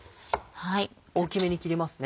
大きめに切りますね。